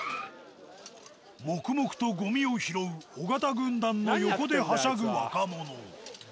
黙々とゴミを拾う尾形軍団の横ではしゃぐ若者。